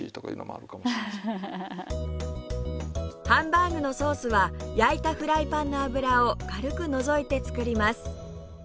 ハンバーグのソースは焼いたフライパンの脂を軽く除いて作ります